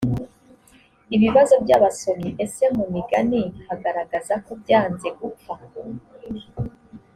ibibazo by ‘abasomyi, ese mu migani hagaragaza ko byanze gupfa.